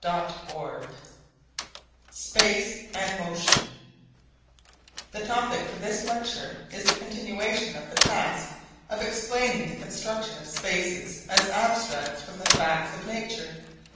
CHAPTER V SPACE AND MOTION The topic for this lecture is the continuation of the task of explaining the construction of spaces as abstracts from the facts of nature.